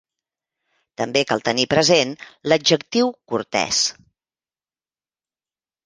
També cal tenir present l'adjectiu cortès.